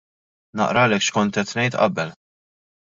Naqralek x'kont qed ngħid qabel.